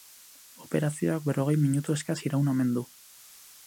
Operazioak berrogei minutu eskas iraun omen du.